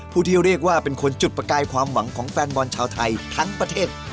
ที่เรียกว่าเป็นคนจุดประกายความหวังของแฟนบอลชาวไทยทั้งประเทศ